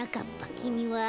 きみは？